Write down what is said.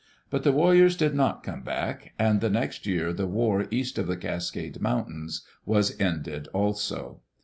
But the warriors did not come back, and the next year the war east of the Cascade Moun tains was ended also.